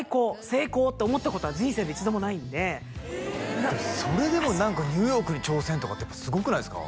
「成功！」って思ったことは人生で一度もないんでそれでもニューヨークに挑戦とかってすごくないですか？